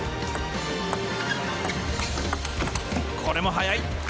これも速い。